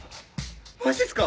マジっすか？